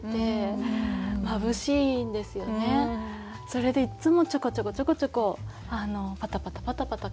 それでいっつもちょこちょこちょこちょこパタパタパタパタ